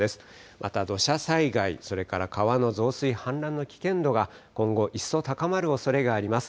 また土砂災害、それから川の増水、氾濫の危険度が今後一層高まるおそれがあります。